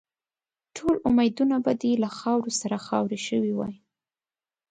ټول امیدونه به دې له خاورو سره خاوري شوي وای.